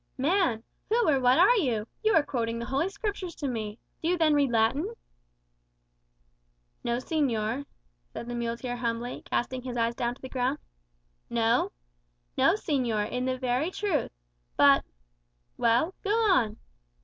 '" "Man! who or what are you? You are quoting the Holy Scriptures to me. Do you then read Latin?" "No, señor," said the muleteer humbly, casting his eyes down to the ground. "No?" "No, señor; in very truth. But " "Well? Go on!"